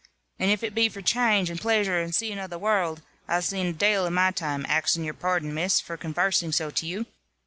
"And if it be for channge, and plaisure, and zeeing of the warld, I've zeen a dale in my time, axing your pardon, Miss, for convarsing so to you.